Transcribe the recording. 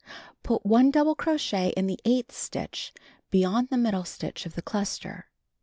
Put 1 double crochet in the eighth stitch beyond the middle stitch of the cluster.